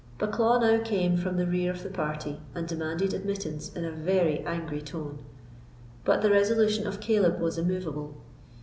Bucklaw now came from the rear of the party, and demanded admittance in a very angry tone. But the resolution of Caleb was immovable.